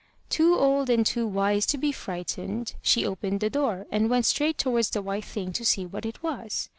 Too old and too wise to be frightened, she opened the door, and went straight towards the white thing to see what it was.